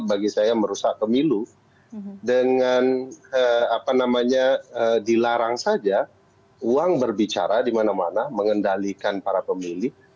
bagi saya merusak pemilu dengan dilarang saja uang berbicara di mana mana mengendalikan para pemilih